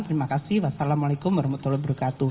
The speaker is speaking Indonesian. terima kasih ⁇ wassalamualaikum warahmatullahi wabarakatuh